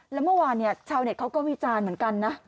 แล้วเมื่อวานชาวเน็ตเขาก็วิจารณ์เหมือนกันนะ